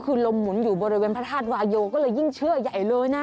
คือลมหมุนอยู่บริเวณพระธาตุวายโยก็เลยยิ่งเชื่อใหญ่เลยนะ